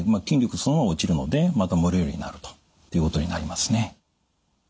筋力そのものも落ちるのでまた漏れるようになるということになりますね。